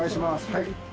はい。